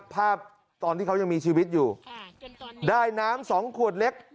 ภาพตอนที่เขายังมีชีวิตอยู่ได้น้ำสองขวดเล็ก